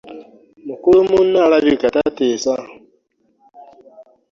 Mukulu munno alabika tateesa.